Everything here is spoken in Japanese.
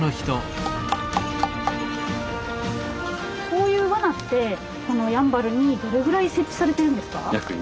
こういうワナってやんばるにどれぐらい設置されているんですか？